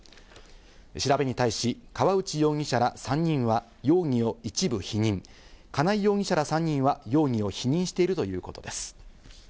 調べに対し河内容疑者ら３人は容疑を一部否認、金井容疑者ら３人は容疑を否認しているということです。